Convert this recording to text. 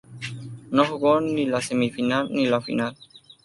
No jugó ni la semifinal ni la final.